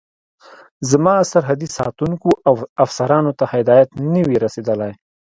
زما سرحدي ساتونکو او افسرانو ته هدایت نه وي رسېدلی.